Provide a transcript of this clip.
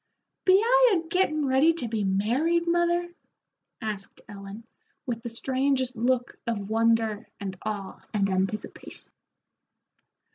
"Be I a gettin' ready to be married, mother?" asked Ellen, with the strangest look of wonder and awe and anticipation.